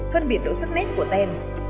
phân biệt độ sắc nét của tem